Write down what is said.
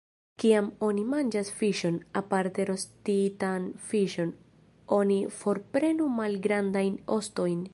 Kiam oni manĝas fiŝon, aparte rostitan fiŝon, oni forprenu malgrandajn ostojn.